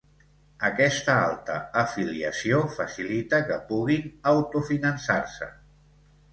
Aquesta alta afiliació facilita que puguin autofinançar-se.